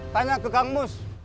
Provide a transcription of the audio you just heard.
tanya ke kang mus